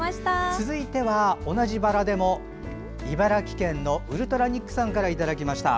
続いては同じバラでも茨城県のウルトラニックさんからいただきました。